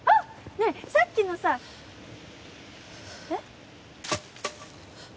ねえさっきのさはあっえっ？